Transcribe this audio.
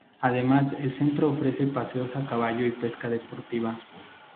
Además el centro ofrece paseos a caballo y pesca deportiva.